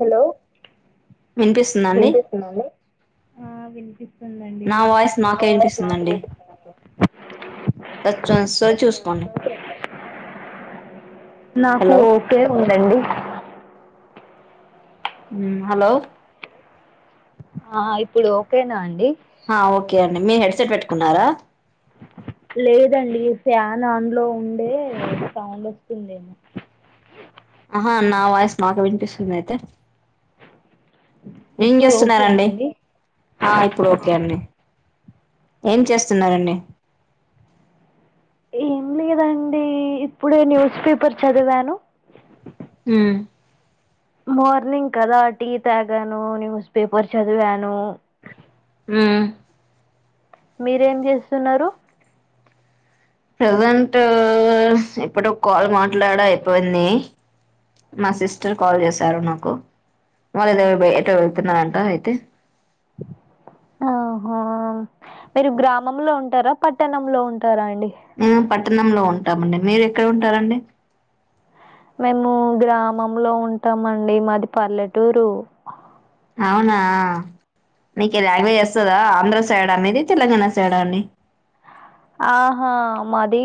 Hello వినిపిస్తుందండి ఆ వినిపి వస్తూంది అండి నా నాకే వాయిస్ నాకే వినిపిస్తుందండి వినిపిస్తుందండి సో చూసుకోండి నాకు హలో ఓకే ఉందండి హలో ఆ ఇప్పుడు ఒకే నా అండి ఆ ఓకే అండి మీ హెడ్సెట్ పెట్టుకున్నారా లేదండి ఫ్యాన్ ఆన్ లో ఉండే సౌండ్ వస్తుందేమో ఆహా నా వాయిస్ నాకే విని విసుమ్ అయితే ఏం ఇప్పుడు ఓకేనా చేస్తున్నారండి అండి ఆ ఇప్పుడు ఓకే అండి ఏం చేస్తున్నారండి ఏం లేదండి ఇప్పుడే న్యూస్ పేపర్ చదివాను హమ్ మార్నింగ్ కదా టీ తాగాను న్యూస్ పేపర్ చదివాను హమ్ మీరేం చేస్తున్నారు ప్రెజెంట్ ఉ ఇప్పుడు కాల్ మా లాడా అయిపోయింది మా సిస్టర్ కాల్ చేశారు నాకు వాళ్ళు ఏబొ ఎటో వెళ్తున్నారంట అయితే ఆహా మీరు గ్రామంలో ఉంటారా పట్టణంలో ఉంటారా అయితే మ్మ్ పట్ పట్టనంలో ఉంటామండి మీరు ఎక్కడ ఉంటారండి మేము గ్రామంలో ఉంటామండి మాది పల్లెటూరు అవునా నీకు ఏ లాంగ్వేజ్ వస్తుందా ఆంధ్ర సైడ్ అనేది తెలంగాణ సైడ్ అండి ఆహా మాది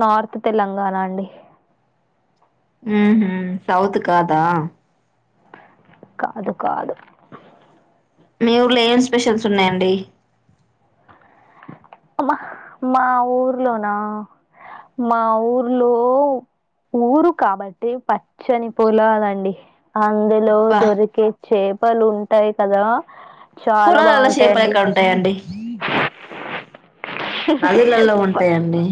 నార్త్ తెలంగాణ అండి మ్మ్ సౌత్ కాదా కాదు కాదు మీ ఊర్లో ఏం స్పెషల్స్ ఉన్నాయండి మా మా ఊర్లోనా మా ఊర్లో ఊరు కాబట్టి పచ్చని పొలలాండి అందులో అబ్బా దొరికె చ్చే కప్పలు ఉంటాయి కదా చాలా పొలాలల్ల షేపల బావుంటాయండి. ఎక్కడ ఉంటాయండి నదులలో ఉంటాయండి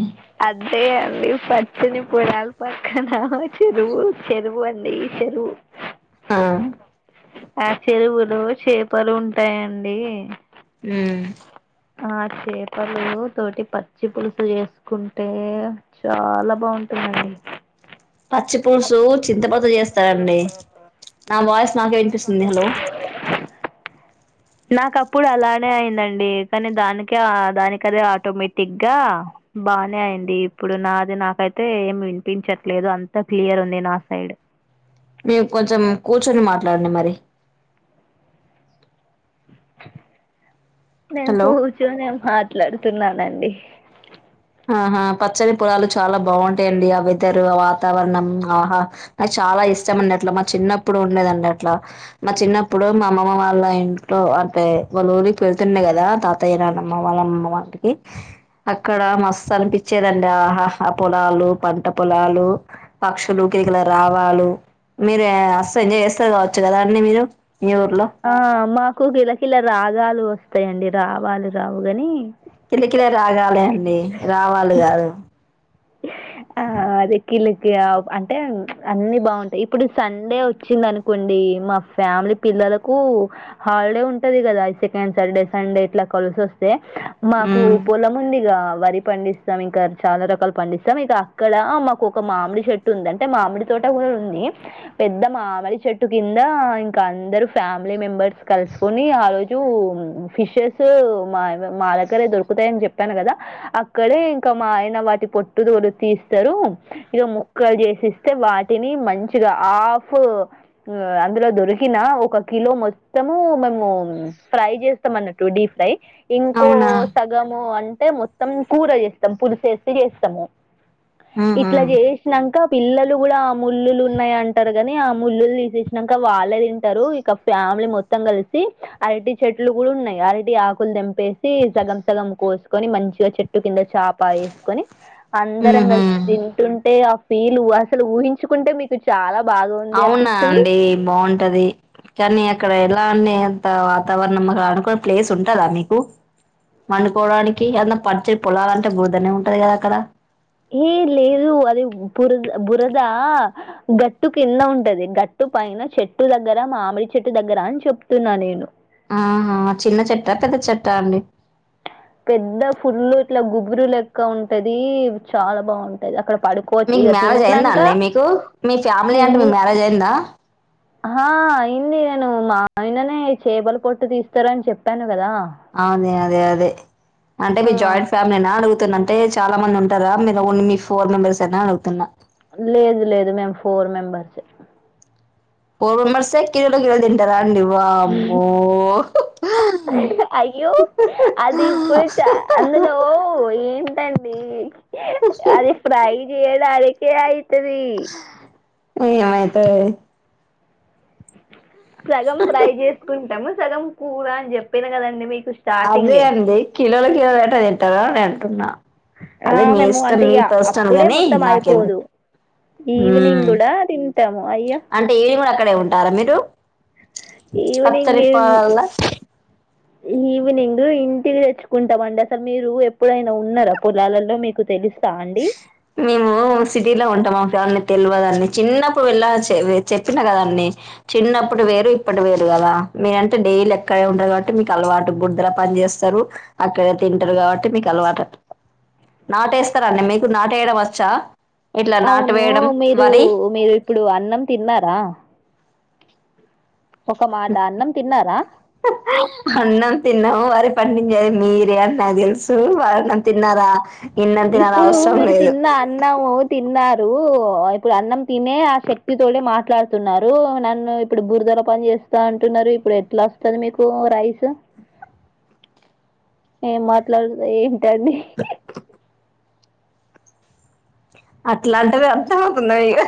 అంతే అండి పచ్చని పొలాలు పక్కన చెరువు చెరువు అండి చెరువు ఆ ఆ చెరువులు చేపలు ఉంటాయండి మ్మ్ ఆ చేపలు తోటి పచ్చి పులుసు చేసుకుంటే చాలా బాగుంటుదండి పచ్చి పులుసు చింతపతో చేస్తారండి నా వాయిస్ నాకే వినిపిస్తుంది హలో నాకప్పుడు అలానే అయిందండి కానీ దానికే ఆ దానీకదే ఆటోమేటిక్ గా బానే అయింది ఇప్పుడు నాది నాకైతే ఏమి వినిపించట్లేదు అంత క్లియర్ ఉంది నా సైడ్ మేము కొంచెం కూర్చొని మాట్ల దొండీ మరి మేము హలో కూర్చొని మట్ల ట్లాడుతున్నానండి ఆహా పచ్చని పొలాలు చాలా బావుంటాయిఅండి ఆ వెదర్ ఆ వాతావరణం ఆహా నాకు చాలా ఇష్టం అండి అట్ల మా చిన్నప్పుడు ఉండేదండి అట్ల మా చిన్నప్పుడు మా అమ్మమ్మ వాళ్ళ ఇంట్లో అంటే వాళ్ళ ఊరికి వెళ్తుండే కదా తాతయ్య నాన్నమ్మ వాళ్ళ అమ్మ వాల్ల ఇంటికి అక్కడ మా పించేదండి ఆహా పొలాలు పంట పొలాలు పక్షులు కిలకీల రావాలు మీరు మస్తు ఎంజాయ్ చేస్తారు కావచ్చు కదా అండి మీరు మీ ఊర్లో? ఆమ్ మా ఎక్కువ కిలకిలా రాగాలు వస్తాయిండి రావాలి రావుగాని కిలకిల రాగాలు అండి రావాలి కాదు ఆ అదే కిల అంటే అన్ని బాగుంటాయి ఇప్పుడు సండే వచ్చింది అనుకోండి మా ఫ్యామిలీ పిల్లలకు హాలిడే ఉంటుంది కదా సెకండ్ సండే ఇట్లా కలిసి వస్తే మాకు హ్మ్. పొలం ఉందిగా వరి పండిస్తాం ఇంక చాలా రకాల పండిస్తాం ఇక అక్కడ మాకు ఒక మామిడి చెట్టు ఉంది అంటే మామిడి తోట కూడా ఉంది పెద్ద మామిడి చెట్టు కింద ఇంకా అందరు ఫ్యామిలీ మెంబర్స్ కలుసుకొని ఆ రోజు ఫిషెస్ మా మా దగ్గరే దొరుకుతాయని చెప్పాను కదా అక్కడే ఇంకా మా ఆయన వాటి పొట్ టుగ తీస్తారు ఇదో ముక్కలు చేసిస్తే వాటిని మంచిగా హాఫ్ అందులో దొరికిన ఒక కిలో మొత్తము మేము ఫ్రై చేస్తాం అన్నట్టు డీప్ ఫ్రై ఇంకో అవునా? సగము అం అంటే మొత్తం కూర చేస్తాం పులుసేసి చేస్తాం త్తము ఇట్లా హుహు. చేసినంక పిల్లలు కూడా ఆ ముళ్లులు ఉన్నాయ అంటారు కానీ ఆ ముళ్లలు తీసేసినంక వాళ్ళే తింటారు. ఇక ఫ్యామిలీ మొత్తం కలిసి అరటి చెట్లు కూడా ఉన్నాయి అరటి ఆకులు తెంపేసి సగం సగం కోసుకొని మంచిగా చెట్టు కింద చాప వేసుకొని అందరం ఉహు కలిసి తింటుంటే ఆ వీలు అసలు ఊహించుకుంటే మీకు చాలా బాగుంది అవునా అనిపిస్తుంది అండి బాగుంటది కానీ అక్కడ ఎలా అనే వాతావరణం అనుకో ప్లేస్ ఉంటదా మీకు వండుకోవడానికి అద పచ్చని పొలాలంటే బురదనే ఉంటది కదా అక్కడ ఏ లేదు అది బురద బురద గట్టు కింద ఉంటది గట్టు పైన చెట్టు దగ్గర మామిడి చెట్టు దగ్గర అని చెప్తున్నా నేను తాండి పెద్ద ఫుల్లు ఇట్లా గుబురు లెక్క ఉంటది చాలా బాగుంటది అక్కడ పడుకోవచ్చు మీకు ఇక మ్యారేజ్ అయిందా తిన్నాక అండి మీకు మీ ఫ్యామిలీ తిన్ అంటే మీ మ్యారేజ్ అయిందా ఆ అయింది నేను మా ఆయననే చేపలు పొట్టు తీస్తారని చెప్పాను కదా ఆ అదే అదే అదే అంటే ఆ మీది జాయింట్ ఫ్యామిలీనా అడుగుతున్న అంటే చాలా మంది ఉంటారా మీరు ఓన్ మీ ఫోర్ మెంబర్స్ అనీ అడుగుతున్నా లేదు లేదు మేము ఫోర్ మెంబర్స్ ఏ ఫోర్ మెంబర్స్ ఏ కిలోల కిలోలు తింటారా అండి వామ్మో అయ్యో హా అది హా ఇప్పుడు హా హా అండి అది ఫ్రై కిరాయి కిరాయి ఆ ఏమైతది సగం ఫ్రై చేసుకుంటాము సగం కూర అని చెప్పినా కదండి మీకు అదే స్టార్టింగే అండి కిలోలు కిలోలు ఎట్టా తింటారు అని అంటూ తున్న ఆ మేము అంటే ఇక అప్పుడే గాని మొత్తం అయిపోదు నాకెందుకు ఈవినింగ్ మ్మ్ కూడా తింట అంటే ఈవినింగ్ కూడా అక్కడే ఉంటారా మీరు ఈవినింగ్ పత్తరిపాలల్ల ఈవినింగ్ ఇంటికి తెచ్చుకుంటాం అండి అసలు మీరు ఎప్పుడైనా ఉన్నారా పొలాలలో మీకు తెలుస మేము సిటీలో ఉంటాము మా ఫ్యామిలీ తెలవదండి చిన్నప్పుడు వెళ్ళ చెప్పిన కదా అండి చిన్నప్పుడు వేరు ఇప్పడు వేరు కదా మీరంటే డైలీ అక్కడ ఉంటారు. కాబట్టి మీకు అలవాటు బుడదలో పని చేేస్తారు అక్కడ తింటారు కాబట్టి మీకు అలవాటు నాటు నాటేస్తారండీ మీకు నాటేయడం వచ్చా ఇట్లా నాటు అవును వేయడం మీరు వరి మీరు ఇప్పుడు అన్నం తిన్నారా ఒక మాట హ్ అన్నం తిన్నారా అన్నం తిన్నం అరి పండించేది మీరే అనీ నాకు తెలుసు అన్నం తిన్నారా ఇన్నం తినాల ఇప్పుడు అవసరం మీరు లేదు తిన్న అన్నము తిన్నారు ఇప్పుడు అన్నం తినే ఆ శక్తి తోనే మాట్లాడుతున్నారు నన్ను ఇప్పుడు బురదలో పని చేస్తా అంటున్నారు ఇప్పుడు ఎట్లా వస్తది మీకు రైస్ ఏ మాట్లాడుద ఏం అండి అట్లాంటివి అర్థమవుతుందా మీకు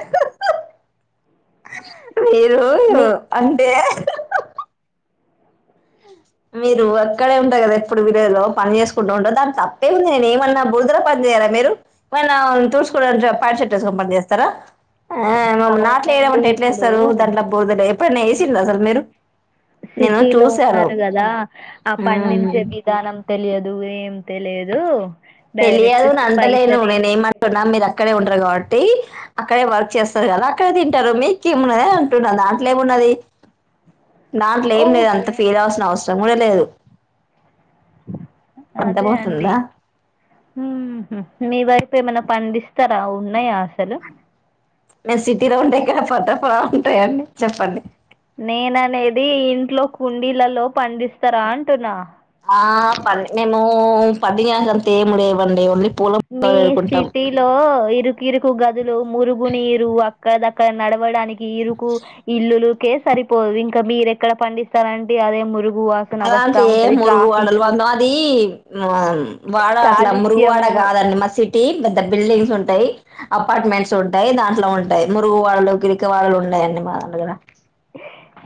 [unintelligible] మీరు మీ అంటే మీరు అక్కడే ఉంటారు కదా ఎప్పుడు విలేజ్లో పని చేసుకుంటూ ఉంటరు దానికి తప్పేం ఉంది నేను ఏమన్నా బురుదలో పని చేయారా మీరు ఏమన్నా ప్యాంటు షర్ట్ వేసుకొని పని చేస్తారా ఆ మ నాట్లు అవునండి వేయమంటే ఎట్లే ఇప్పుడు ఏస్తరు దాంట్లో బురదలో ఎప్పుడన్నా వేసిర్రా అసలు మీరు నేను సిటీలో చూసాను ఉన్నారు కదా ఆ పండించే విధానం తెలియదు ఏ అంతే లేదు తెలియదు అనంటలేను నేనే ఏం అంటున్న మీరు అక్కడే ఉండరు కాబట్టి టి అక్కడే వర్క్ చేస్తారు కదా అక్కడే తింటారు మీకు ఏమిన్నది అంటున్న దాంట్లో ఏమున్నది దాంట్లో ఏం లేదు ఓకే అంత ఫీల్ అవల్సిన అవసరం తాముడలేదు [unintelligible] అర్థమవుతుందా ఓ ఉ మీ వైపు ఏమైనా పండిస్తారా ఉన్నాయా ఆ సలు నేను సిటీలో ఉండే ఇక్కడ పంట పొలాలు ఉంటాయండి చెప్పండి నేన అనేది ఇంట్లో కుండీలలో పండిస్తారా అంటున్నా ఆ ప మేము పది కాక [unintelligible] అంతముడ్వండి ఒఓన్లీ మీ సిటీ లో ఇరుకు ఇరుకు గదులు మురుగు నీరు అక్కడ నడవడడానికి ఈరుకు ఇల్లులు కే సరిపోదు ఇంకా మీరెక్కడ పండిస్తారండి అదే మురు అలా అంటే మురుగు వాడల్ వంద అది ఆ వాడ అట్లా మరుగువాడ కాలుష్యము కాదండి మాది సిటీ ద్ద బిల్డింగ్స్ ఉంటాయి అపార్ట్మెంట్స్ ఉంటాయి దాంట్లో ఉంటాయి మురుగు వాడలు గిరికీ వాడలు ఉమ్డయ్ అండి మా దాని దగ్గర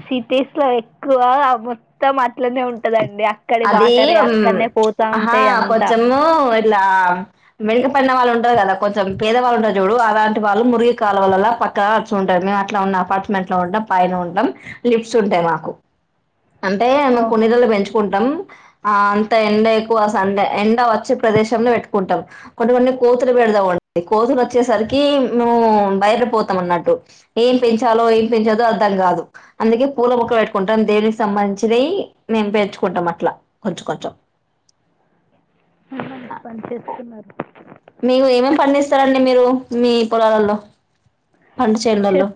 సిటీస్లో ఎక్కువ మొత్తం అట్లనే ఉంటదండి అక్కడి అది వాటరే హుమ్ అక్కడనే పోతా ఆహా ఉంటాయి అంతా కొంచెము ఇట్లా వెనుక పడిన వాళ్ళు ఉంట ఉంటారు కదా కొంచెం పేదవాళ్ళుంటారు చూడు అలాంటి వాళ్ళు మురికి కాలువలల్ల పక్కన వచ్ ఉంటారు మేము అట్లా ఉన్న అపార్ట్మెంట్ లో ఉంటం పైన ఉంటాం లిఫ్ట్స్ ఉంటాయ్ మాకు అంటే ఆమె ఓహో కొణిదల్ని కుంటాం ఆ అంత ఎండ ఎక్కువ సండే ఎండ వచ్చే ప్రదేశంలో బెట్టుకుంటాం కొన్ని కొన్ని కోతులు పెడదాం కోతులు వచ్చేసరికి ము బయట పోతాం అన్నట్టు ఏం పెంచాలో ఏం పెంచదో అర్థం కాదు అందుకే పూల మొక్కలు పెట్టుకుంటాం దేనికి సంబంధించింది మేము పెంచ్ కుంటాం అట్లా కొంచ్ కొంచెం పొలం పని చేస్తున్నారు మీవు ఏమేమి పండిస్తారండి మీరు మీ పొలాలల్లో పంట చేనులలో చెప్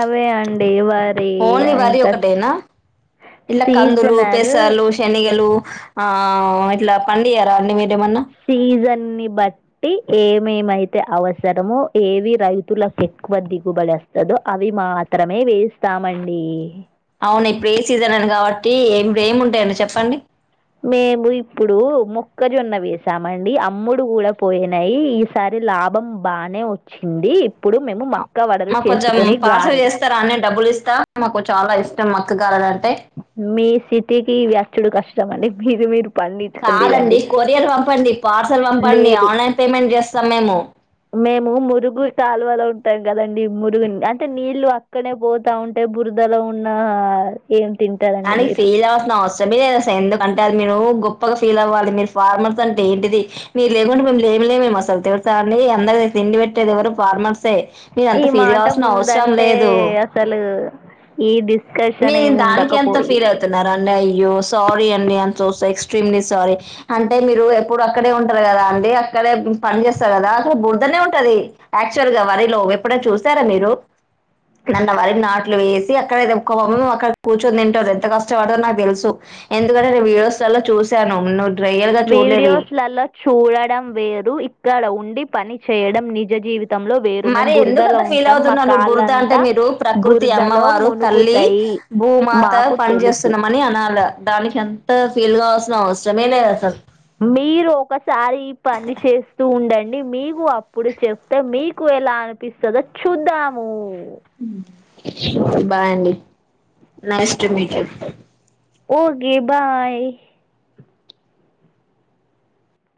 అవే అండి వరి ఓన్లీ వరి ఇంకా ఒకటేనా ఇలా కందులు సీజనల్ పెసాలు శెనిగలు ఆ ఇట్లా పండియర అండి మీరేమన్నా సీజన్నీ బట్టి ఏమేమైతే అవసరమో ఏవి రైతులకు ఎక్కువ దిగుబడి అస్తదో అవి మాత్రమే వేస్తామండి అవునా ఇప్పుడు ఏ సీజనల్ కాబట్టి ఇప్పుడు ఏమి ఉంటాయండి చెప్పండి మేము ఇప్పుడు మొక్కజొన్న వేసామండి అమ్ముడు గుడా పోయినాయ్ ఈసారి లాభం బానే వచ్చింది ఇప్పుడు మేము ఆ మక్క వడలు మాకు కొంచెం చేసుకొని పార్సల్ గారెలు చేస్తరా అండి డబ్బులు ఇస్తా మాకు చాలా ఇష్టం మా గారెల మీ సిటీకి ఇవి అచ్చుడు కష్ మండి ప్లీజ్ మీరు పండించుకొని కాదండి తినండి కొరియర్ పంపండి పార్సల్ పంపండి లేదు ఆన్లైన్ పేమెంట్ చేస్తాం మేము మేము మురుగు కాలువలో ఉంటాం కదండి మురుగుని అంటే నీళ్లు అక్కడే పోతా ఉంటే బురదలో ఉన్నా ఏ దానికి ఫీల్ అవ్వాల్సిన అవ్ అవసరమే లేదు అసలు ఎందుకంటే అది మీరు గొప్పగా ఫీల్ అవ్వాలి మీరు ఫార్మర్స్ అంటే ఏంటిది మీరు లేకుంటే మేము లేమ్ లేమేమో అసలు తెలుసా అండి అందరి తిండి పెట్టేది ఎవరు ఫార్మర్సే ఈ మీరంత ఫీల్ మాట కావాల్సిన అవసరం ముందంటే లేదు అసలు ఏది మీరు దానికి ఎంత ఫీల్ అవుతున్నరా అండి అయ్ అయ్యో సారీ అండి అని సో ఎక్స్ట్రీమ్లీ సారీ అంటే మీరు ఎప్పుడు అక్కడే ఉంటారు కదా అండి అక్కడే పని చేస్తార్ గదా అక్కడ బురదనే ఉంటది యాక్చువల్గా వరిలో ఎప్పుడన్న చూసారా మీరు నన్న వరి నాట్లు వేసి అక్కడే ఒక వమ్ము అక్కడ కూర్చొని తింటార్ ఎంత కష్టపడతరో నాకు తెలుసు ఎందుకంటే నేను వీడియోస్లల్ల చూశాను ను వీడియోస్లలో చూడడం వేరు ఇప్ ఇక్కడ ఉండి పని చేయడం నిజ జీవి మరి ఎందుకంత ఫీల్ అవుతున్నావ్ నువ్వు బురద అంటే కాళ్ళంతా మీరు ప్రకృతి బురదలో అమ్మవారు తల్లి మునుగుతాయి భూమాత మాకు పని తెలుసు చేేస్తున్నామని అనాల దానికి అంత ఫీల్ గావల్ మీరు ఒకసారి ఈ పని చేస్తూ ఉండ డీ మీకు అప్పుడు చెప్తే మీకు ఎలా అనిపిస్తదో చూద్దాము బాయ్ అండి nice to meet you okay bye